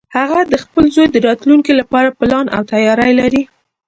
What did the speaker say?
هغه د خپل زوی د راتلونکې لپاره پلان او تیاری لري